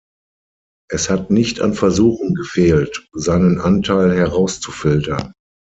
Es hat nicht an Versuchen gefehlt, seinen Anteil herauszufiltern.